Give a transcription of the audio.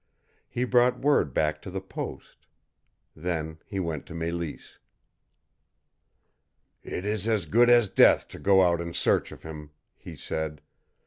He brought word back to the post. Then he went to Mélisse. "It is as good as death to go out in search of him," he said.